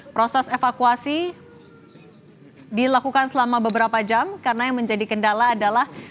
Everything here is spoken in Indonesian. proses evakuasi dilakukan selama beberapa jam karena yang menjadi kendala adalah